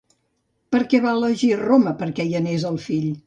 Per què va elegir Roma perquè hi anés el fill?